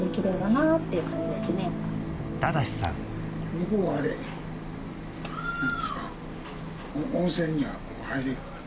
向こうはあれ何ですか温泉には入れるの？